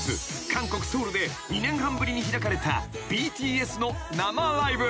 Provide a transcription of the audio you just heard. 韓国ソウルで２年半ぶりに開かれたＢＴＳの生ライブ］